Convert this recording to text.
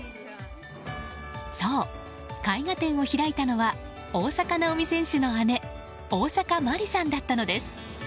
そう、絵画展を開いたのは大坂なおみ選手の姉大坂まりさんだったのです。